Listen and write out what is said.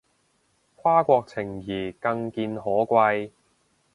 跨國情誼更見可貴